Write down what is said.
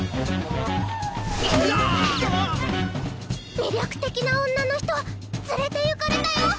魅力的な女の人連れて行かれたよ！